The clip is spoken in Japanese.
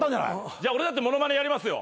じゃあ俺だって物まねやりますよ。